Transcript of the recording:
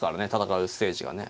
戦うステージがね。